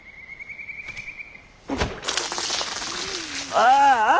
ああ！